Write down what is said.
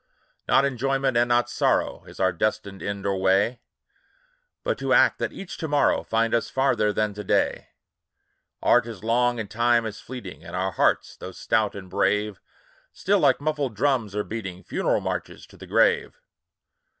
VOICES OF THE NIGHT. Not enjoyment, and not sorrow, Is our destined end or way ; But to act, that each to morrow Find us farther than to day. Art is long, and Time is fleeting, And our hearts, though stout and brave, Still, like muffled drums, are beating Funeral marches to the grave.